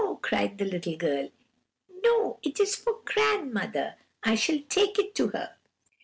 cried the little girl; 'no, it is for grandmother; I shall take it to her.'